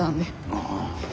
ああ。